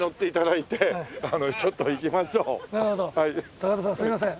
高田さんすみません。